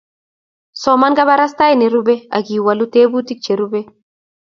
soman kabarastae ne rubei akiwolu tebutik che rubei